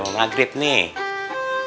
bukannya siap siap sholat